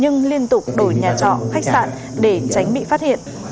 nhưng liên tục đổi nhà trọ khách sạn để tránh bị phát hiện